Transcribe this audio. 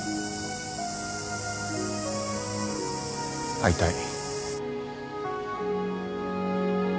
会いたい。